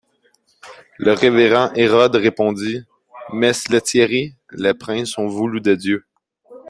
Le révérend Hérode répondit: — Mess Lethierry, les princes sont voulus de Dieu.